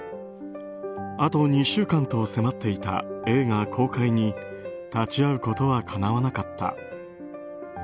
あと２週間と迫っていた映画公開に立ち会うことはかなわなかった。